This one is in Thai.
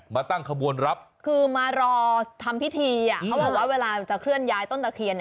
มาตั้งขบวนรับคือมารอทำพิธีเขาบอกว่าเวลาจะเคลื่อนย้ายต้นตะเคียน